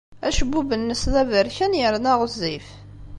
Acebbub-nnes d aberkan yerna ɣezzif.